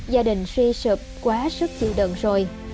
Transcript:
gia đình suy sụp quá sức chịu đựng rồi